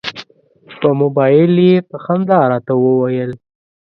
په مبایل یې په خندا راته وویل.